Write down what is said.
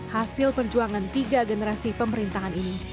hasil perjuangan tiga generasi pemerintahan ini